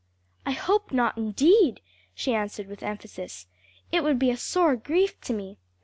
"I hope not indeed!" she answered with emphasis. "It would be a sore grief to me.